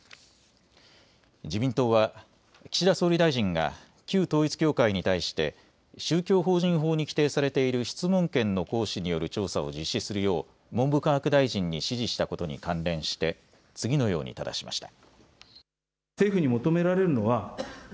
自民党は岸田総理大臣が旧統一教会に対して宗教法人法に規定されている質問権の行使による調査を実施するよう文部科学大臣に指示したことに関連して次のようにただしました。